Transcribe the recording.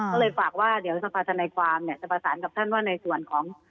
ก็เลยฝากว่าเดี๋ยวสภาษณ์ในความสภาษณ์กับท่านว่าในส่วนของ